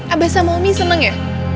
abah sama umi seneng ya